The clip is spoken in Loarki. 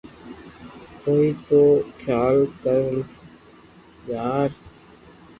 ڪوئي تو خيال ڪر ڀلا